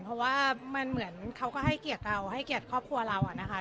เพราะว่ามันเหมือนเขาก็ให้เกียรติเราให้เกียรติครอบครัวเราอะนะคะ